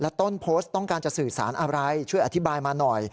ต้นโพสต์ต้องการจะสื่อสารอะไรช่วยอธิบายมาหน่อย